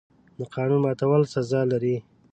د قانون ماتول سزا لري.